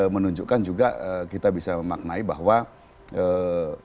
menunjukkan juga kita bisa memaknai bahwa ee